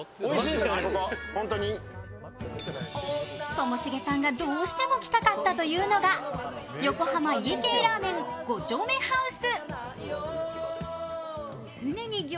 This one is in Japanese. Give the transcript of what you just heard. ともしげさんがどうしても来たかったというのが、横浜家系ラーメン五丁目ハウス。